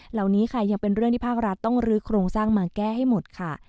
เหล่านี้ค่ะยังเป็นเรื่องที่ภาครัฐต้องลื้อโครงสร้างมาแก้ให้หมดค่ะ